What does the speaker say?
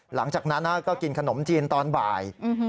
หลังจากนั้นก็กินขนมจีนตอนบ่าย